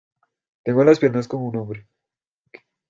tengo las piernas como un hombre.